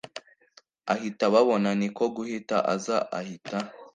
ahita ababona niko guhita aza ahita